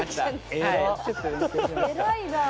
偉いなあ。